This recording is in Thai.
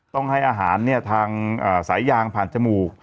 ต้องให้อาหารทางสายยางผ่านจมูก